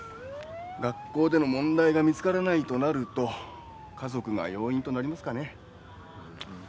学校での問題が見つからないとなると家族が要因となりますかね。